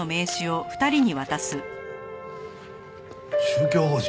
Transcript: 宗教法人？